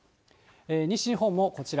西日本もこちら。